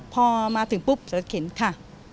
พอมาถึงปุ๊บรถเข็นค่ะ